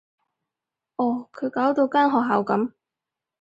哦，佢搞到間學校噉